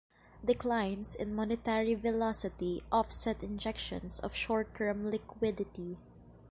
Declines in monetary velocity offset injections of short-term liquidity.